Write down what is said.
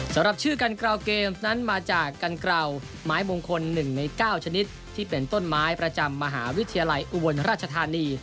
สำหรับชื่อกันกราวเกมส์นั้นมาจากกันกราวไม้มงคล๑ใน๙ชนิดที่เป็นต้นไม้ประจำมหาวิทยาลัยอุบลราชธานี